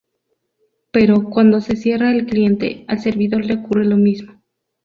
Pero, cuando se cierra el cliente, al servidor le ocurre lo mismo.